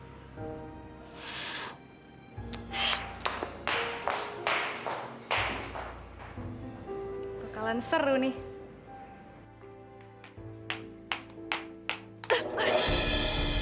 kekalan seru nih